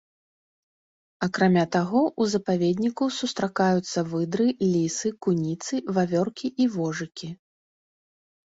Акрамя таго, у запаведніку сустракаюцца выдры, лісы, куніцы, вавёркі і вожыкі.